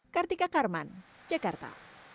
kartika karman jakarta